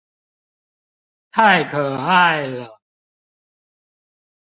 太可愛了